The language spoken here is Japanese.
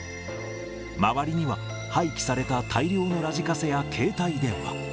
周りには、廃棄された大量のラジカセや携帯電話。